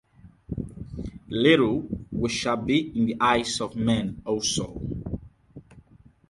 Little we shall be in the eyes of men also.